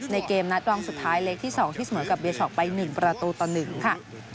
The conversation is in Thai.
เกมนัดรองสุดท้ายเล็กที่๒ที่เสมอกับเบช็อกไป๑ประตูต่อ๑ค่ะ